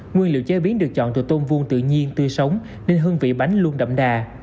nguyên liệu chế biến được chọn từ tôm vuông tự nhiên tươi sống nên hương vị bánh luôn đậm đà